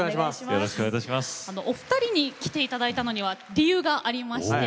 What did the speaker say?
お二人に来ていただいたのは理由があります。